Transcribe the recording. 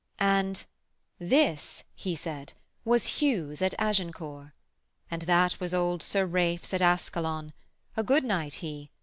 And 'this' he said 'was Hugh's at Agincourt; And that was old Sir Ralph's at Ascalon: A good knight he!